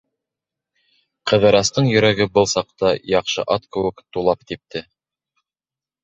Ҡыҙырастың йөрәге был саҡта, яҡшы ат кеүек, тулап типте.